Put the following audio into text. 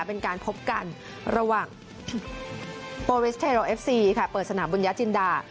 เป็นการพบกันระหว่างโปรวิสเทโรเอฟซีค่ะเปิดสนามบุญญาจินดา